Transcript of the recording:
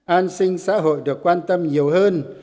an sinh xã hội được quan tâm nhiều hơn